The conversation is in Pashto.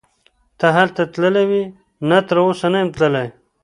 ته هلته تللی وې؟ نه تراوسه نه یم تللی.